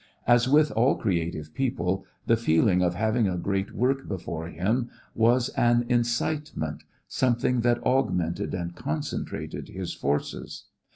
As with all creative people the feeling of having a great work before him was an incitement, something that augmented and concentrated his forces.